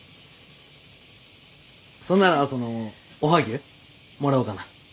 そんならそのおはぎゅうもらおうかな。